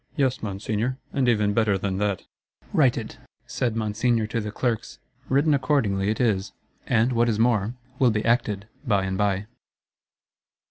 —'Yes, Monseigneur; and even better than that.'—'Write it,' said Monseigneur to the Clerks.—Written accordingly it is; and what is more, will be acted by and by.